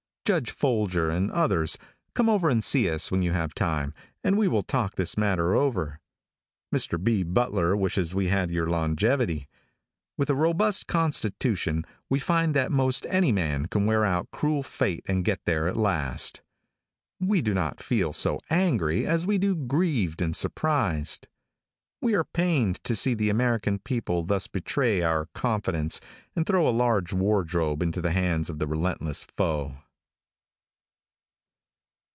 Judge Folger, and others, come over and see us when you have time, and we will talk this matter over. Mr. B. Butler, we wish we had your longevity. With a robust constitution, we find that most any man can wear out cruel fate and get there at last. We do not feel so angry as we do grieved and surprised. We are pained to see the American people thus betray our confidence, and throw a large wardrobe into the hands of the relentless foe.